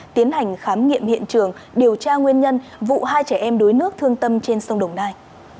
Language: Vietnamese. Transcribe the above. tiến hành khám nghiệm hiện trường điều tra nguyên nhân vụ hai trẻ em đuối nước thương tâm trên sông đồng nai